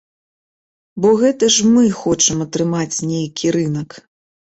Бо гэта ж мы хочам атрымаць нейкі рынак.